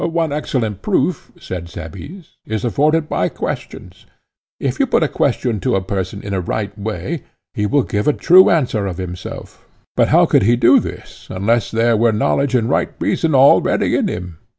One excellent proof, said Cebes, is afforded by questions. If you put a question to a person in a right way, he will give a true answer of himself, but how could he do this unless there were knowledge and right reason already in him?